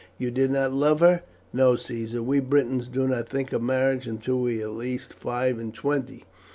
You did not love her?" "No, Caesar; we Britons do not think of marriage until we are at least five and twenty.